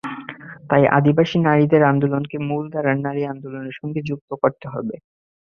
তাই আদিবাসী নারীদের আন্দোলনকে মূলধারার নারী আন্দোলনের সঙ্গে যুক্ত করতে হবে।